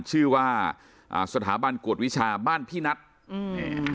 ชื่อว่าอ่าสถาบันกวดวิชาบ้านพี่นัทอืม